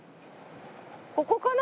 ここかな？